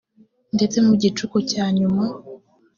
ndetse mu gicuku cya nyuma